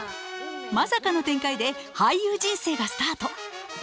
まさかの展開で俳優人生がスタート。